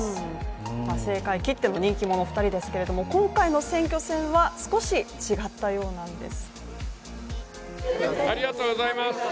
政界きっての人気者２人ですけれども今回の選挙戦は少し違ったようなんです。